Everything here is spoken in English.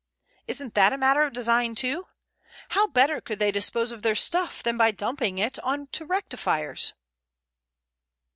Isn't that a matter of design too? How better could they dispose of their stuff than by dumping it on to rectifiers?"